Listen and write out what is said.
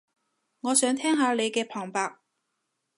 我想聽下你嘅旁白